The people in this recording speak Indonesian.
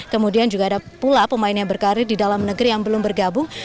kemudian juga ada pula pemain yang berkarir di dalam negeri yang belum bergabung